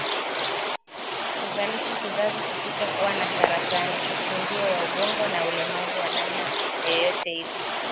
kuzalisha kizazi kisichokua na saratani, utindio wa ubongo, na ulemavu wa namna yeyote ile